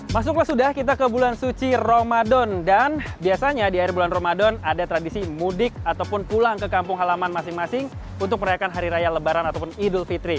masuklah sudah kita ke bulan suci ramadan dan biasanya di akhir bulan ramadan ada tradisi mudik ataupun pulang ke kampung halaman masing masing untuk merayakan hari raya lebaran ataupun idul fitri